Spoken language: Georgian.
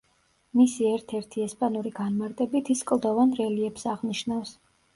მისი ერთ-ერთი ესპანური განმარტებით, ის კლდოვან რელიეფს აღნიშნავს.